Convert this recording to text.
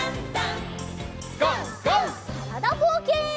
からだぼうけん。